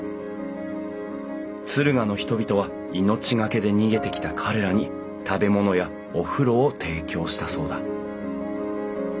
敦賀の人々は命懸けで逃げてきた彼らに食べ物やお風呂を提供したそうだ